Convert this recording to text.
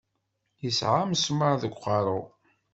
Isɛa amesmaṛ deg uqeṛṛu.